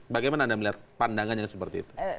bagaimana anda melihat pandangannya seperti itu